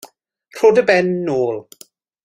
Rho dy ben nôl.